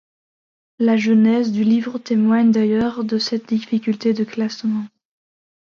La genèse du livre témoigne d'ailleurs de cette difficulté de classement.